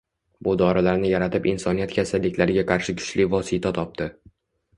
Bu dorilarni yaratib insoniyat kasalliklarga qarshi kuchli vosita topdi